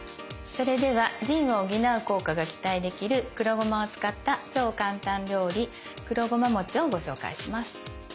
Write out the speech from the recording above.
それでは腎を補う効果が期待できる黒ごまを使った超簡単料理「黒ごま餅」をご紹介します。